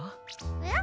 えっ？